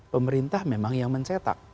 pemerintah memang yang mencetak